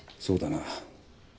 そうだな。